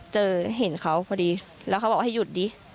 เห็นเขาพอดีแล้วเขาบอกให้หยุดดิ